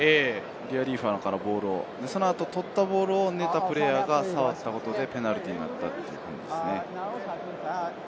リアリーファノからボールを取ったボールをまたプレーヤーが触ったということで、ペナルティーになったと思うんです。